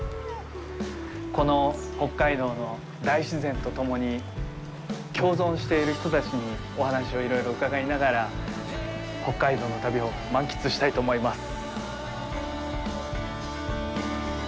この北海道の大自然と共に共存している人たちにお話をいろいろ伺いながら北海道の旅を満喫したいと思います。